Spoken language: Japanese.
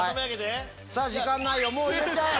時間ないよもう入れちゃえ。